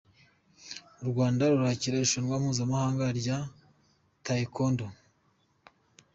U Rwanda rurakira irushanwa mpuzamahanga rya Tayekondo